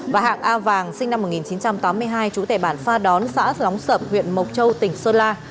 và hạc a vàng sinh năm một nghìn chín trăm tám mươi hai trú tại bản pha đón xã lóng sập huyện mộc châu tỉnh sơn la